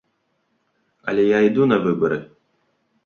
Але я іду на выбары!